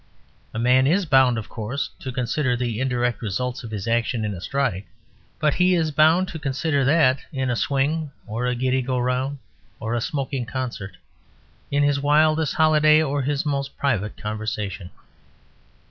A man is bound, of course, to consider the indirect results of his action in a strike; but he is bound to consider that in a swing, or a giddy go round, or a smoking concert; in his wildest holiday or his most private conversation.